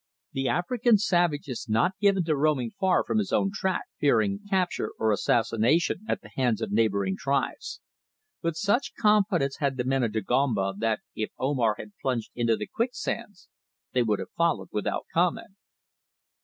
The African savage is not given to roaming far from his own tract, fearing capture or assassination at the hands of neighbouring tribes, but such confidence had the men of Dagomba that if Omar had plunged into the quicksands they would have followed without comment.